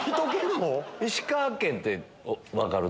石川県って分かる？